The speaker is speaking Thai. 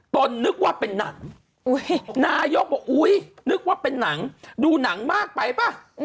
นึกว่าเป็นหนังนายกบอกอุ๊ยนึกว่าเป็นหนังดูหนังมากไปป่ะ